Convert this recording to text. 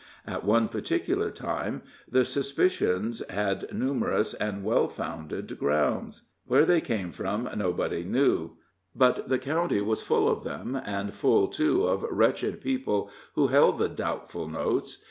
At one particular time the suspicions had numerous and well founded grounds; where they came from nobody knew, but the county was full of them, and full, too, of wretched people who held the doubtful notes.